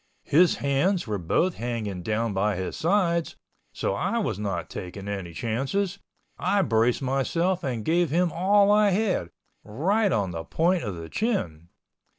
His hands were both hanging down by his sides, so I was not taking any chances. I braced myself and gave him all I had, right on the point of the chin.